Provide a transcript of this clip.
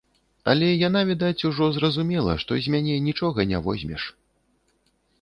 Але яна, відаць, ужо зразумела, што з мяне нічога не возьмеш.